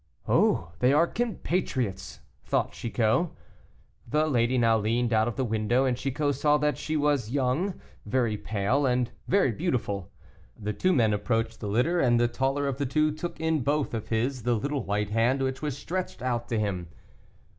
"Oh, they are compatriots!" thought Chicot. The lady now leaned out of the window, and Chicot saw that she was young, very pale, but very beautiful. The two men approached the litter, and the taller of the two took in both of his the little white hand which was stretched out to him.